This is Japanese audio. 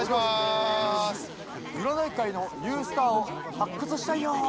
占い界のニュースターを発掘したいよ！